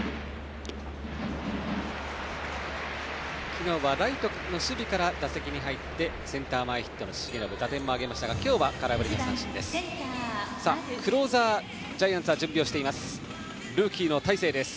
昨日はライトの守備から打席に入ってセンター前ヒットの重信打点も挙げましたが今日は空振り三振です。